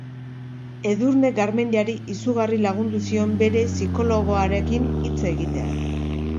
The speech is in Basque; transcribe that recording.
Edurne Garmendiari izugarri lagundu zion bere psikologoarekin hitz egiteak.